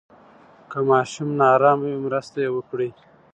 که ماشوم نا آرامه وي، مرسته یې وکړئ.